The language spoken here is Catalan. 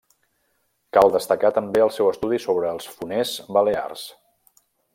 Cal destacar també el seu estudi sobre els foners balears.